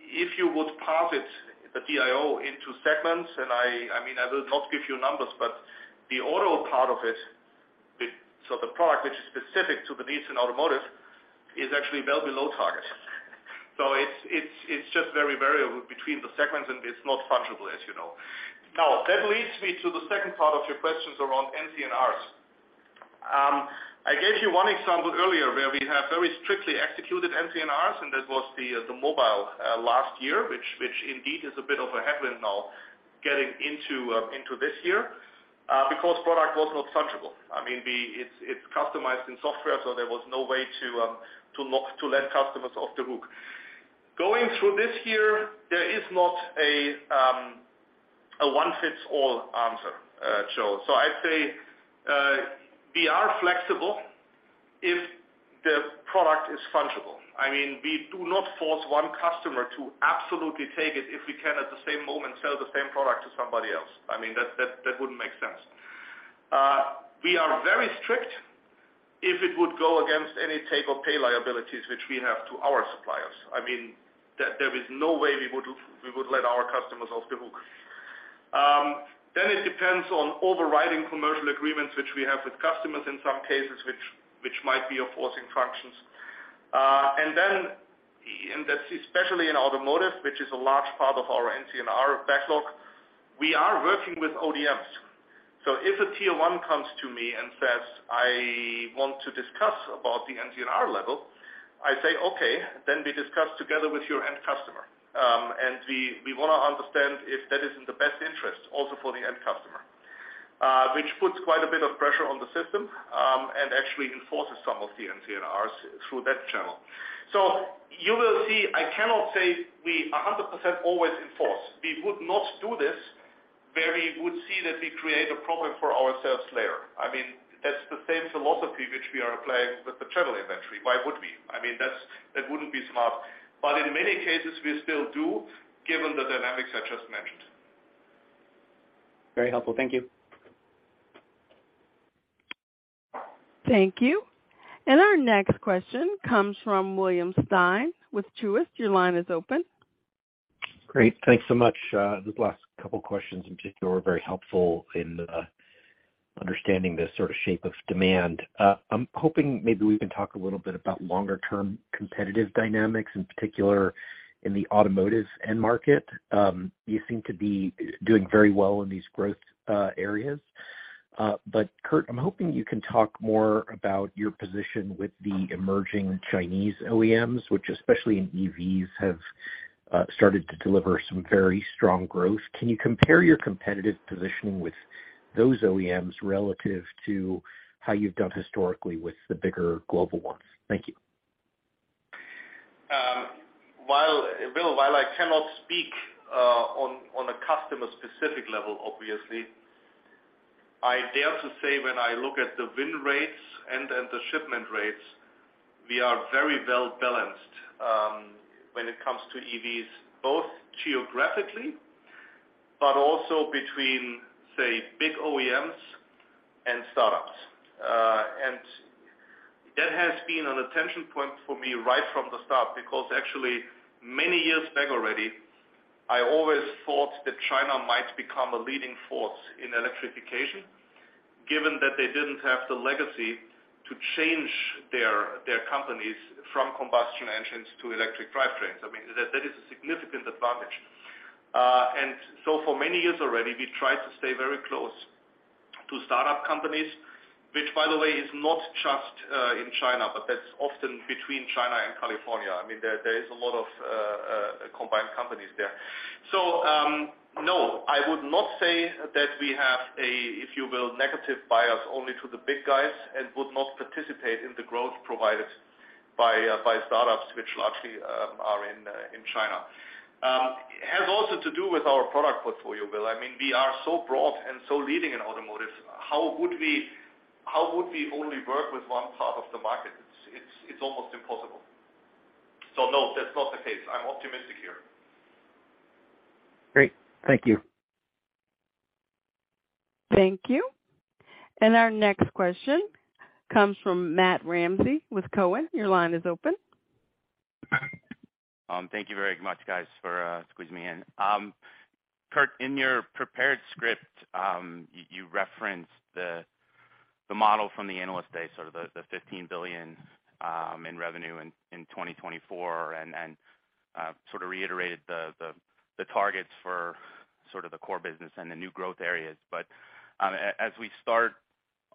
if you would parse it, the DIO into segments, and I mean, I will not give you numbers, but the auto part of it, so the product which is specific to the needs in automotive, is actually well below target. It's just very variable between the segments, and it's not fungible, as you know. That leads me to the second part of your questions around NCNRs. I gave you one example earlier where we have very strictly executed NCNRs. That was the mobile last year, which indeed is a bit of a headwind now getting into this year because product was not fungible. I mean, it's customized in software, so there was no way to let customers off the hook. Going through this year, there is not a one-fits-all answer, Joel. I'd say we are flexible if the product is fungible. I mean, we do not force one customer to absolutely take it if we can, at the same moment, sell the same product to somebody else. I mean, that wouldn't make sense. We are very strict if it would go against any take or pay liabilities which we have to our suppliers. I mean, there is no way we would let our customers off the hook. Then it depends on overriding commercial agreements which we have with customers in some cases which might be enforcing functions. That's especially in automotive, which is a large part of our NCNR backlog, we are working with ODMs. If a tier one comes to me and says, "I want to discuss about the NCNR level," I say, "Okay, then we discuss together with your end customer." And we wanna understand if that is in the best interest also for the end customer, which puts quite a bit of pressure on the system, and actually enforces some of the NCNRs through that channel. You will see, I cannot say we 100% always enforce. We would not do this where we would see that we create a problem for ourselves later. I mean, that's the same philosophy which we are applying with the channel inventory. Why would we? I mean, that wouldn't be smart. In many cases, we still do, given the dynamics I just mentioned. Very helpful. Thank you. Thank you. Our next question comes from William Stein with Truist. Your line is open. Great. Thanks so much. The last couple questions in particular were very helpful in understanding the sort of shape of demand. I'm hoping maybe we can talk a little bit about longer term competitive dynamics, in particular in the automotive end market. You seem to be doing very well in these growth areas. Kurt, I'm hoping you can talk more about your position with the emerging Chinese OEMs, which especially in EVs have started to deliver some very strong growth. Can you compare your competitive positioning with those OEMs relative to how you've done historically with the bigger global ones? Thank you. Bill, while I cannot speak on a customer-specific level, obviously, I dare to say when I look at the win rates and at the shipment rates, we are very well-balanced when it comes to EVs, both geographically but also between, say, big OEMs and startups. That has been an attention point for me right from the start because actually many years back already, I always thought that China might become a leading force in electrification, given that they didn't have the legacy to change their companies from combustion engines to electric drivetrains. I mean, that is a significant advantage. For many years already, we tried to stay very close to startup companies, which by the way is not just in China, but that's often between China and California. I mean, there is a lot of combined companies there. No, I would not say that we have a, if you will, negative bias only to the big guys and would not participate in the growth provided by startups which largely are in China. It has also to do with our product portfolio, Bill. I mean, we are so broad and so leading in automotive. How would we only work with one part of the market? It's almost impossible. No, that's not the case. I'm optimistic here. Great. Thank you. Thank you. Our next question comes from Matt Ramsay with Cowen. Your line is open. Thank you very much, guys, for squeezing me in. Kurt, in your prepared script, you referenced the model from the Analyst Day, sort of the $15 billion in revenue in 2024 and sort of reiterated the targets for sort of the core business and the new growth areas. As we start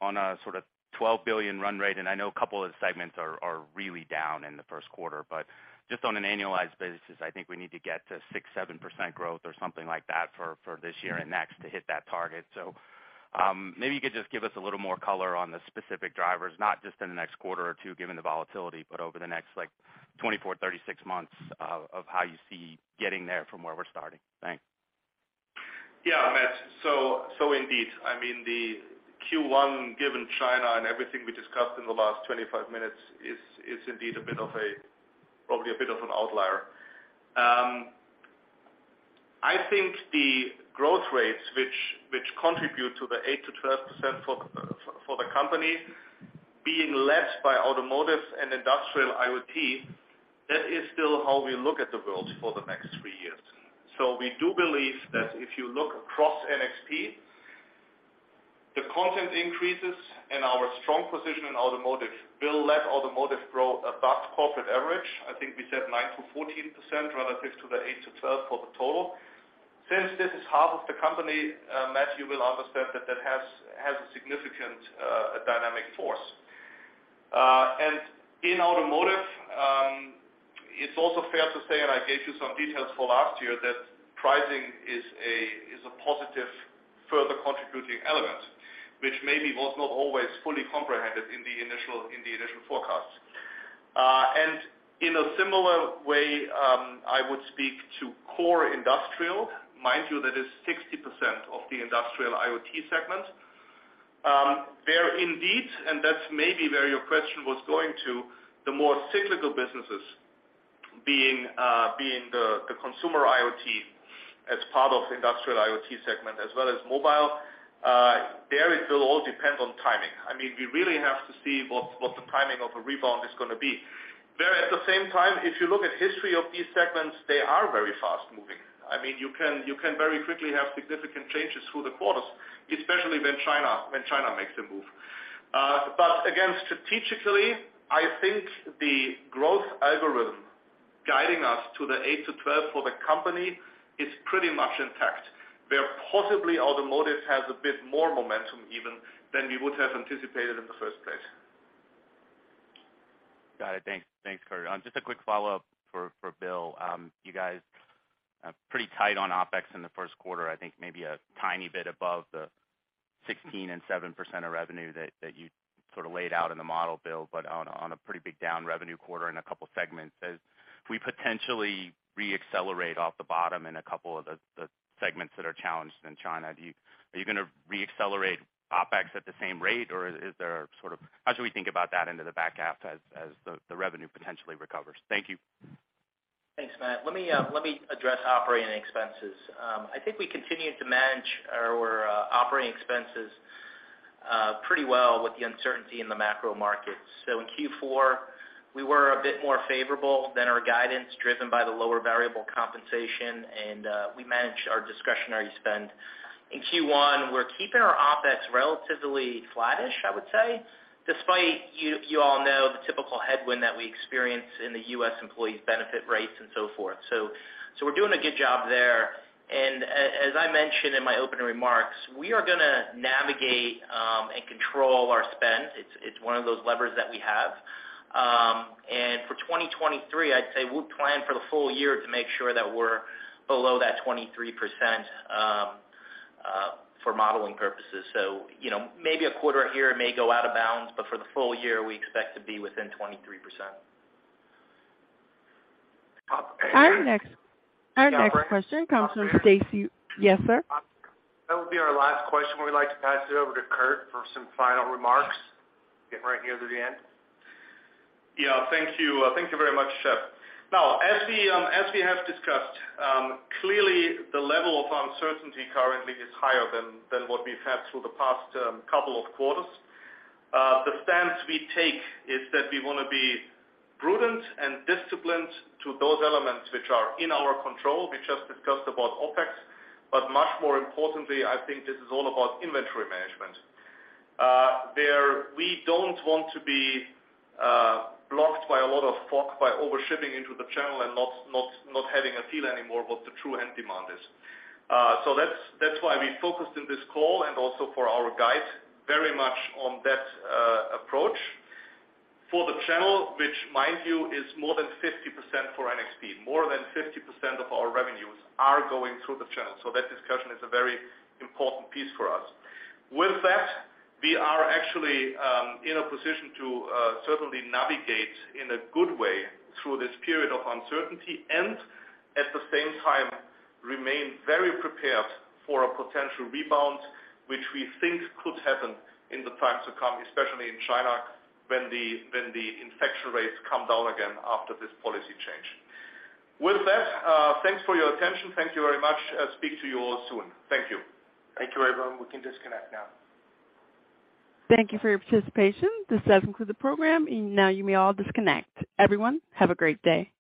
on a sort of $12 billion run rate, and I know a couple of the segments are really down in the first quarter, but just on an annualized basis, I think we need to get to 6%-7% growth or something like that for this year and next to hit that target. Maybe you could just give us a little more color on the specific drivers, not just in the next quarter or two, given the volatility, but over the next, like, 24, 36 months, of how you see getting there from where we're starting. Thanks. Yeah, Matt. Indeed, I mean, the Q1, given China and everything we discussed in the last 25 minutes, is indeed probably a bit of an outlier. I think the growth rates which contribute to the 8%-12% for the company being led by automotive and industrial IoT, that is still how we look at the world for the next three years. We do believe that if you look across NXP, the content increases and our strong position in automotive will let automotive grow above corporate average. I think we said 9%-14% relative to the 8%-12% for the total. Since this is half of the company, Matt, you will understand that that has a significant dynamic force. In automotive, it's also fair to say, and I gave you some details for last year, that pricing is a positive further contributing element, which maybe was not always fully comprehended in the initial forecast. In a similar way, I would speak to core industrial. Mind you, that is 60% of the industrial IoT segment. There indeed, and that's maybe where your question was going to, the more cyclical businesses being the consumer IoT as part of industrial IoT segment as well as mobile. There it will all depend on timing. I mean, we really have to see what the timing of a rebound is gonna be. There, at the same time, if you look at history of these segments, they are very fast-moving. I mean, you can very quickly have significant changes through the quarters, especially when China makes a move. Again, strategically, I think the growth algorithm guiding us to the eight to 12 for the company is pretty much intact. Where possibly automotive has a bit more momentum even than we would have anticipated in the first place. Got it. Thanks. Thanks, Kurt. Just a quick follow-up for Bill. You guys are pretty tight on OpEx in the first quarter. I think maybe a tiny bit above the 16.7% of revenue that you sort of laid out in the model, Bill, but on a pretty big down revenue quarter in a couple segments. As we potentially reaccelerate off the bottom in a couple of the segments that are challenged in China, are you gonna reaccelerate OpEx at the same rate, or how should we think about that into the back half as the revenue potentially recovers? Thank you. Thanks, Matt. Let me address operating expenses. I think we continued to manage our operating expenses pretty well with the uncertainty in the macro markets. In Q4, we were a bit more favorable than our guidance, driven by the lower variable compensation, and we managed our discretionary spend. In Q1, we're keeping our OpEx relatively flattish, I would say, despite you all know the typical headwind that we experience in the U.S. employees benefit rates and so forth. We're doing a good job there. As I mentioned in my opening remarks, we are gonna navigate and control our spend. It's one of those levers that we have. For 2023, I'd say we'll plan for the full year to make sure that we're below that 23% for modeling purposes. You know, maybe a quarter here may go out of bounds, but for the full year, we expect to be within 23%. Op- Our next- Yeah. Our next question comes from Stacy. Yes, sir. That would be our last question. We'd like to pass it over to Kurt for some final remarks, getting right near to the end. Yeah. Thank you. Thank you very much, Jeff. As we have discussed, clearly the level of uncertainty currently is higher than what we've had through the past couple of quarters. The stance we take is that we wanna be prudent and disciplined to those elements which are in our control. We just discussed about OpEx. Much more importantly, I think this is all about inventory management. There we don't want to be blocked by over shipping into the channel and not having a feel anymore what the true end demand is. That's, that's why we focused in this call and also for our guide very much on that approach. For the channel, which mind you, is more than 50% for NXP, more than 50% of our revenues are going through the channel. That discussion is a very important piece for us. With that, we are actually in a position to certainly navigate in a good way through this period of uncertainty and at the same time remain very prepared for a potential rebound, which we think could happen in the time to come, especially in China, when the, when the infection rates come down again after this policy change. With that, thanks for your attention. Thank you very much. I'll speak to you all soon. Thank you. Thank you, everyone. We can disconnect now. Thank you for your participation. This does conclude the program. Now you may all disconnect. Everyone, have a great day.